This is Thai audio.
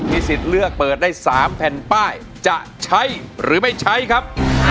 สิทธิ์เลือกเปิดได้๓แผ่นป้ายจะใช้หรือไม่ใช้ครับ